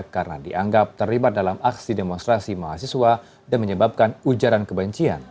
karena dianggap terlibat dalam aksi demonstrasi mahasiswa dan menyebabkan ujaran kebencian